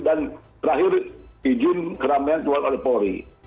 dan terakhir izin keramaian dikeluarkan oleh polri